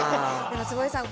坪井さん